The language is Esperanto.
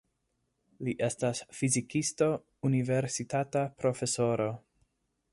Li estas fizikisto, universitata profesoro.